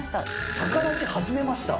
逆立ち始めました？